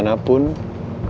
jadi kita juga